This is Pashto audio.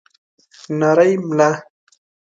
نرۍ ملا